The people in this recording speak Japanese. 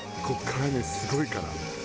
ここからねすごいから。